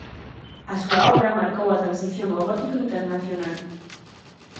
A súa obra marcou a transición ao gótico internacional.